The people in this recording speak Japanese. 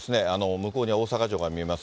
向こうには大阪城が見えます。